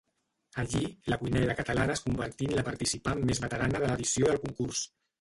Allí, la cuinera catalana es convertí en la participant més veterana de l'edició del concurs.